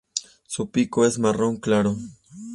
Su pico es marrón claro.